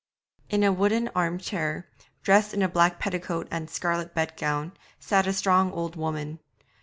In a wooden arm chair, dressed in a black petticoat and a scarlet bedgown, sat a strong old woman.